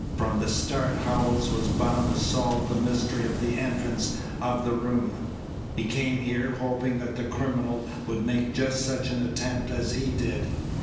"From the start Howells was bound to solve the mystery of the entrance of the room. He came here, hoping that the criminal would make just such an attempt as he did.